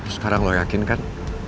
sekarang lo yakin kan